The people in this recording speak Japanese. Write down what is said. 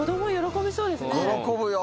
喜ぶよ